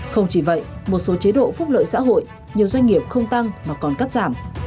không chỉ vậy một số chế độ phúc lợi xã hội nhiều doanh nghiệp không tăng mà còn cắt giảm